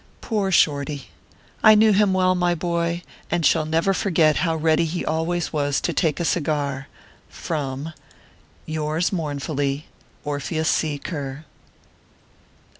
Poor Shorty ! I knew him well, my boy, and shall never forget how ready he always was to take a cigar from Yours, mournfully, ORPHEUS C. KERR.